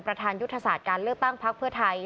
ประธานยุทธศาสตร์การเลือกตั้งพักเพื่อไทย